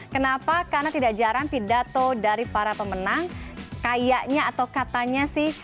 kenapa karena tidak jarang pidato dari para pemenang kayaknya atau katanya sih